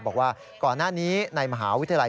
บอกว่าก่อนหน้านี้ในมหาวิทยาลัย